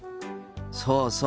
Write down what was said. そうそう。